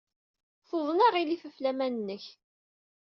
Tuḍen aɣilif ɣef laman-nnek.